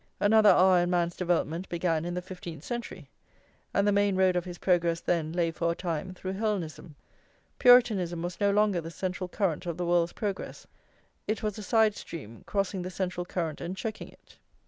Another hour in man's development began in the fifteenth century, and the main road of his progress then lay for a time through Hellenism. Puritanism was no longer the central current of the world's progress, it was a side stream crossing the central current and checking it.